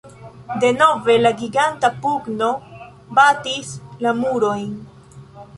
Denove la giganta pugno batis la murojn.